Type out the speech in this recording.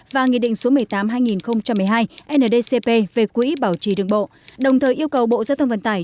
và nghị định số một mươi tám hai nghìn một mươi hai ndcp về quỹ bảo trì đường bộ đồng thời yêu cầu bộ giao thông vận tải